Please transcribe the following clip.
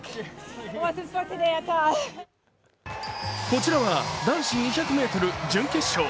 こちらは男子２００ｍ準決勝。